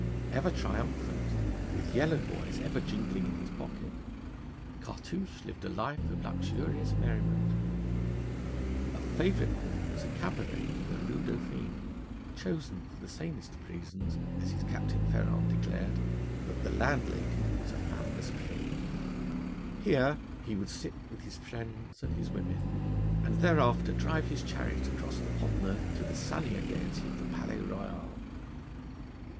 Ever triumphant, with yellow boys ever jingling in his pocket, Cartouche lived a life of luxurious merriment. A favourite haunt was a cabaret in the Rue Dauphine, chosen for the sanest of reasons, as his Captain Ferrand declared, that the landlady was a femme d'esprit. Here he would sit with his friends and his women, and thereafter drive his chariot across the Pont Neuf to the sunnier gaiety of the Palais Royal.